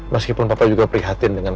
meskipun bapak juga prihatin dengan